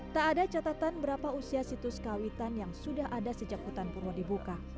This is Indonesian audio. tak ada catatan berapa usia situs kawitan yang sudah ada sejak hutan purwo dibuka